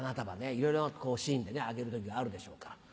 いろいろなシーンであげる時があるでしょうから。